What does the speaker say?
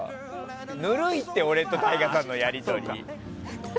ぬるいって俺とＴＡＩＧＡさんのやり取り。